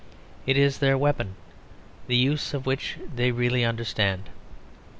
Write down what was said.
It is their weapon, the use of which they really understand.